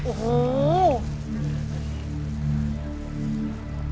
โอ้โห